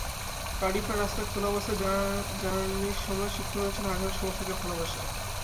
কার্ডিফের রাস্তায় খোলা বাসে র্যা লির সময় সিক্ত হয়েছেন হাজারও সমর্থকের ভালোবাসায়।